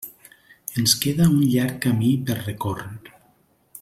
Ens queda un llarg camí per recórrer.